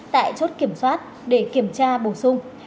tại chốt kiểm soát để kiểm tra bổ sung